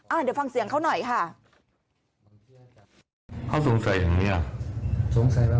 เดี๋ยวฟังเสียงเขาหน่อยค่ะ